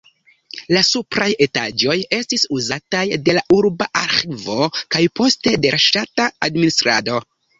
La supraj etaĝoj estis uzataj de la urba arĥivo kaj poste de ŝtata administrado.